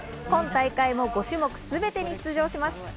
今大会も５種目すべてに出場します。